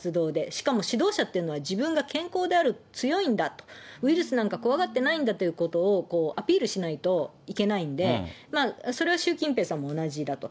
しかも指導者っていうのは、自分が健康である、強いんだと、ウイルスなんか怖がってないんだということをアピールしないといけないんで、それは習近平さんも同じだと。